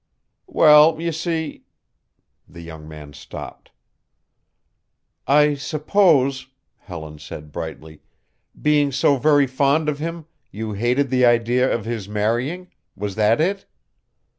"Well, you see" the young man stopped. "I suppose," Helen suggested brightly, "being so very fond of him, you hated the idea of his marrying. Was that it?"